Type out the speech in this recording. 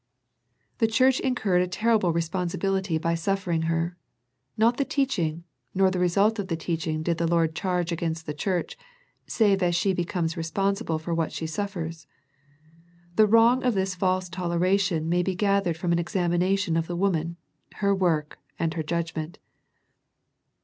The church incurred a ter rible responsibility by suffering her. Not the teaching, nor the result of the teaching did the Lord charge against the church, save as she becomes responsible for what she suffers. The wrong of this false toleration may be gathered from an examination of the woman, her work, and her judgment.